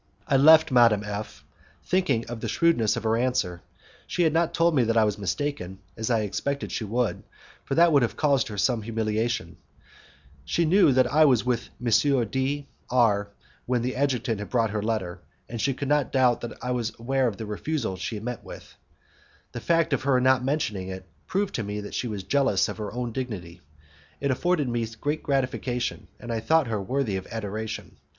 I left Madame F , thinking of the shrewdness of her answer. She had not told me that I was mistaken, as I had expected she would, for that would have caused her some humiliation: she knew that I was with M. D R when the adjutant had brought her letter, and she could not doubt that I was aware of the refusal she had met with. The fact of her not mentioning it proved to me that she was jealous of her own dignity; it afforded me great gratification, and I thought her worthy of adoration.